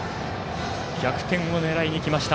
逆転を狙いにいきました。